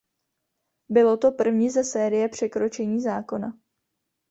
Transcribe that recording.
Bylo to první ze série překročení zákona.